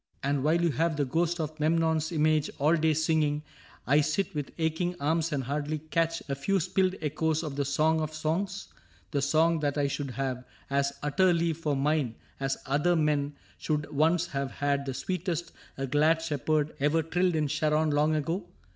And while you have The ghost of Memnon's image all day singing, I sit with aching arms and hardly catch A few spilled echoes of the song of songs — The song that I should have as utterly For mine as other men should once have had The sweetest a glad shepherd ever trilled 68 CAPTAIN CRAIG In Sharon, long ago